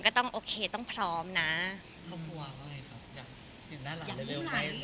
แต่ก็ไม่ได้คิดว่ารีบขนาดนั้นเอาชัวร์ดีกว่า